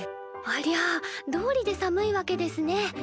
ありゃどうりで寒いわけですね。